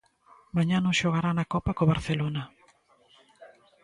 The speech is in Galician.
Mañá non xogará na Copa co Barcelona.